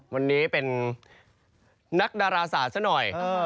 วันนี้เป็นนักดาราศาสตร์ซะหน่อย